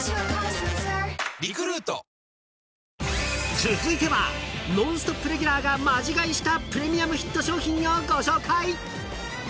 ［続いては『ノンストップ！』レギュラーがマジ買いしたプレミアムヒット商品をご紹介］